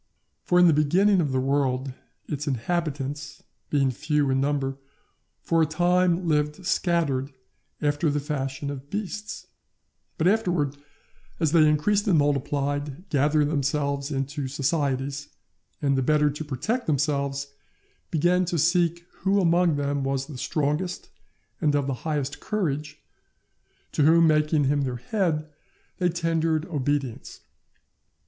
For in the beginning of the world, its inhabitants, being few in number, for a time lived scattered after the fashion of beasts; but afterwards, as they increased and multiplied, gathered themselves into societies, and, the better to protect themselves, began to seek who among them was the strongest and of the highest courage, to whom, making him their head, they tendered obedience.